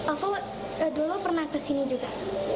aku dulu pernah kesini juga